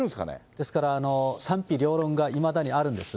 ですから、賛否両論がいまだにあるんです。